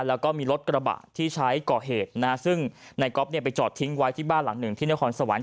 แล้วก็มีรถกระบะที่ใช้ก่อเหตุนะฮะซึ่งนายก๊อฟเนี่ยไปจอดทิ้งไว้ที่บ้านหลังหนึ่งที่นครสวรรค